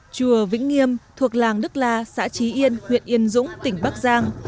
chùa vĩnh nghiêm thuộc làng đức la xã trí yên huyện yên dũng tỉnh bắc giang